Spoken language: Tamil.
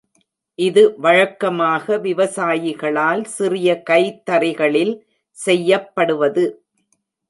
இது வழக்கமாக விவசாயிகளால் சிறிய கை தறிகளில் செய்யப்படுவது.